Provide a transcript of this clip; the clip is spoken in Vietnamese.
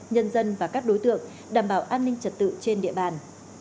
nhân dân và các đối tượng đảm bảo an ninh trật tự trên địa bàn